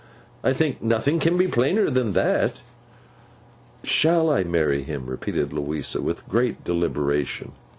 I think nothing can be plainer than that?' 'Shall I marry him?' repeated Louisa, with great deliberation.